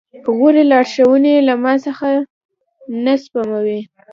غورې لارښوونې له ما څخه نه سپموي.